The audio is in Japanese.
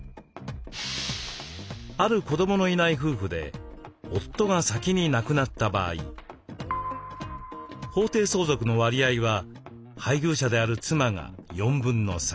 ある子どものいない夫婦で夫が先に亡くなった場合法定相続の割合は配偶者である妻が3/4。